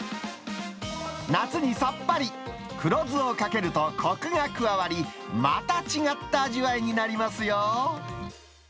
夏にさっぱり、黒酢をかけるとこくが加わり、また違った味わいになりますよ。